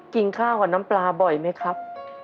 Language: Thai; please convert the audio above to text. กินข้าวกับน้ำปลาบ่อยไหมครับ